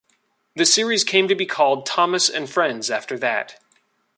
The series came to be called Thomas and Friends after that.